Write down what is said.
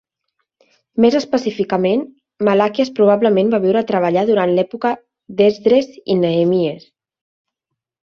Més específicament, Malaquies probablement va viure i treballar durant l'època d'Esdres i Nehemies.